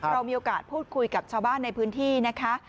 เรามีโอกาสพูดคุยกับชาวบ้านในพื้นที่นะคะ